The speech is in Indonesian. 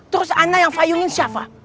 terus ana yang fayungin siapa